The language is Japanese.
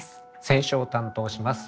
選書を担当します